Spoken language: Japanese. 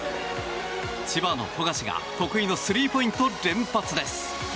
千葉の富樫が得意のスリーポイント連発です。